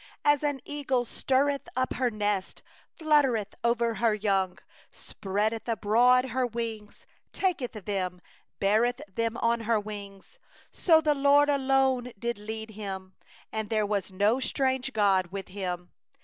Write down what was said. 11As an eagle that stirreth up her nest, Hovereth over her young, Spreadeth abroad her wings, taketh them, Beareth them on her pinions— 12The LORD alone did lead him, And there was no strange god with Him.